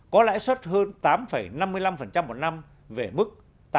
có lãi suất hơn tám năm mươi năm một năm về mức tám năm mươi năm